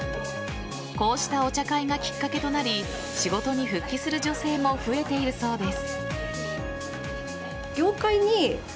こうしたお茶会がきっかけとなり仕事に復帰する女性も増えているそうです。